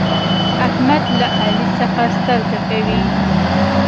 احمد له علي څخه سترګه کوي.